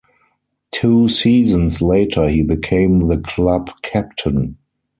Two seasons later he became the club captain.